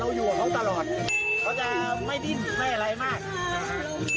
อยู่กับเขาตลอดเขาจะไม่ดิ้นไม่อะไรมากนะฮะ